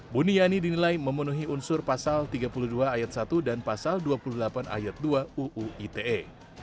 buniani dinilai memenuhi unsur pasal tiga puluh dua ayat satu dan pasal dua puluh delapan ayat dua uu ite